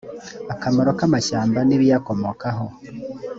akamaro k’amashyamba n’ibiyakomokaho